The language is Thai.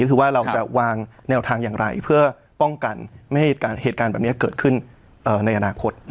ก็คือว่าเราจะวางแนวทางอย่างไรเพื่อป้องกันไม่ให้เหตุการณ์แบบนี้เกิดขึ้นในอนาคต